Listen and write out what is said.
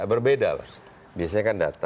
berbeda lah biasanya kan data